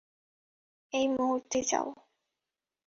এই মুহূর্তে যাও!